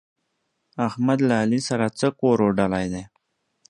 احمد له علي سره څه کور اوډلی دی؟!